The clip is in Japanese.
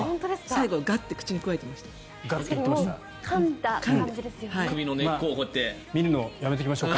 最後、ガッと口にくわえてました。